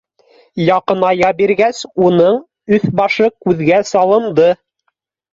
Яҡыная биргәс, уның өҫ-башы күҙгә салынды.